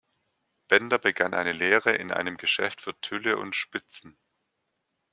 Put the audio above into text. Bender begann eine Lehre in einem Geschäft für Tülle und Spitzen.